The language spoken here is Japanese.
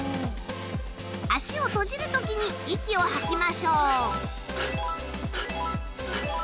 足を閉じる時に息を吐きましょう。